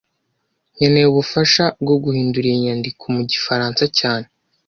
Nkeneye ubufasha bwo guhindura iyi nyandiko mu gifaransa cyane